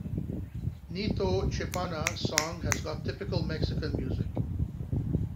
Neetho Cheppana song has got typical Mexican music.